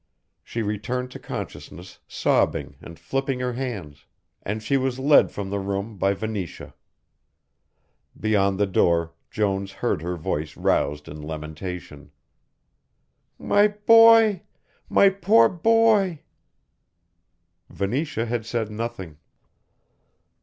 She returned to consciousness sobbing and flipping her hands, and she was led from the room by Venetia. Beyond the door Jones heard her voice roused in lamentation: "My boy my poor boy." Venetia had said nothing.